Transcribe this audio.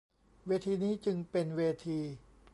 เวทีนี้จึงเป็นเวที